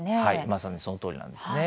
まさにそのとおりなんです。